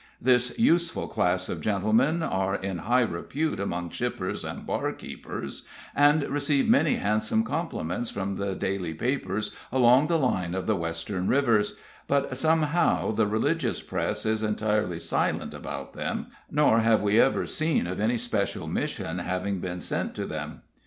This useful class of gentlemen are in high repute among shippers and barkeepers, and receive many handsome compliments from the daily papers along the line of the Western rivers; but, somehow, the religious Press is entirely silent about them, nor have we ever seen of any special mission having been sent to them.